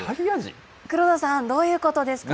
黒田さん、どういうことですか。